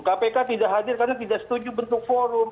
kpk tidak hadir karena tidak setuju bentuk forum